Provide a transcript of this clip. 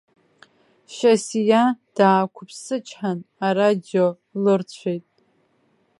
Шьасиа даақәыԥсычҳан арадио лырцәеит.